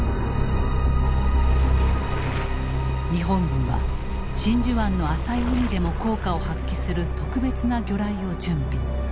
日本軍は真珠湾の浅い海でも効果を発揮する特別な魚雷を準備。